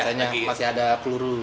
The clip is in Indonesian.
biasanya masih ada peluru